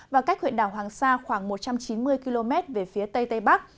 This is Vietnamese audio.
và cách huyện đảo hoàng sa khoảng một trăm chín mươi km về phía tây tây bắc